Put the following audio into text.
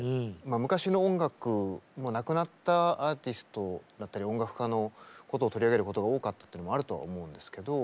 昔の音楽もう亡くなったアーティストだったり音楽家のことを取り上げることが多かったというのもあるとは思うんですけど